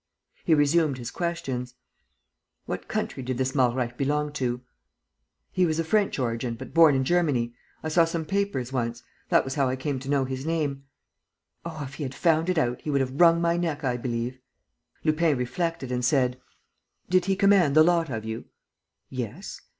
He resumed his questions: "What country did this Malreich belong to?" "He was of French origin, but born in Germany ... I saw some papers once ... that was how I came to know his name. ... Oh, if he had found it out, he would have wrung my neck, I believe!" Lupin reflected and said: "Did he command the lot of you?" "Yes."